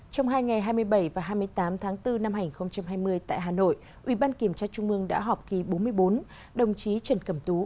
trong hai ngày hai mươi bảy và hai mươi tám tháng bốn năm hai nghìn hai mươi tại hà nội ubkt đã họp kỳ bốn mươi bốn đồng chí trần cẩm tú